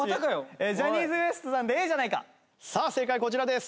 ジャニーズＷＥＳＴさんで『ええじゃないか』。さあ正解こちらです。